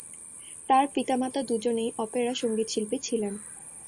তার পিতামাতা দুজনেই অপেরা সঙ্গীতশিল্পী ছিলেন।